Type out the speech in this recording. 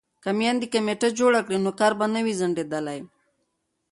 که میندې کمیټه جوړه کړي نو کار به نه وي ځنډیدلی.